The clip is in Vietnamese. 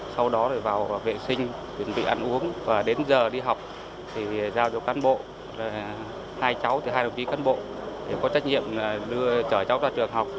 sau đó thì vào vệ sinh đơn vị ăn uống và đến giờ đi học thì giao cho cán bộ hai cháu thì hai đồng chí cán bộ có trách nhiệm đưa cháu ra trường học